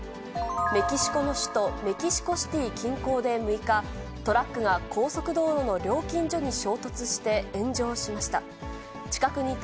メキシコの首都メキシコシティー近郊で６日、トラックが高速道路の料金所に衝突して炎上しました。